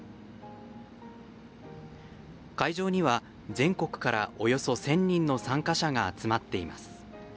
会場には、全国からおよそ１０００人の参加者が集まっています。